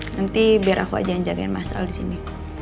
nanti biar aku aja yang jagain masalah di sini